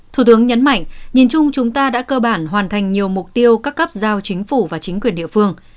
thủ tướng nhấn mạnh nhìn chung chúng ta đã cơ bản hoàn thành nhiều mục tiêu các cấp giao chính phủ và chính quyền địa phương